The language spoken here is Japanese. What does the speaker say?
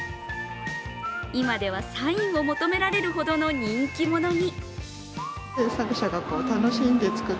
今では、サインを求められるほどの人気者に。